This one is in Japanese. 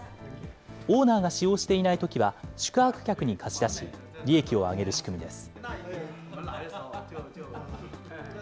オーナーが使用していないときは宿泊客に貸し出し、利益を上げる仕組みです。